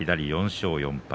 ４勝４敗。